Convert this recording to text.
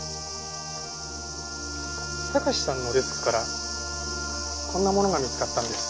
貴史さんのデスクからこんなものが見つかったんです。